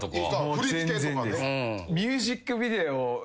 振り付けとかね。